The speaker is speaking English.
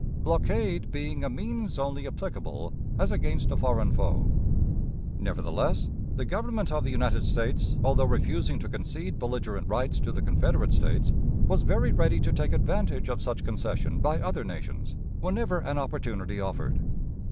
blockade being a means only applicable as against a foreign foe. Nevertheless, the Government of the United States, although refusing to concede belligerent rights to the Confederate States, was very ready to take advantage of such concession by other nations, whenever an opportunity offered.